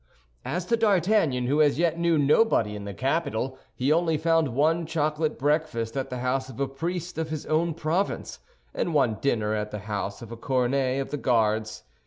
As to D'Artagnan, who as yet knew nobody in the capital, he only found one chocolate breakfast at the house of a priest of his own province, and one dinner at the house of a cornet of the Guards.